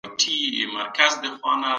تاسو باید په ساحه کي پلټنه وکړئ.